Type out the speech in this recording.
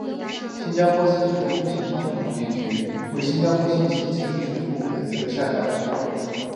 新加坡资讯通信发展管理局成为新加坡信息及艺术部的一个下辖部门。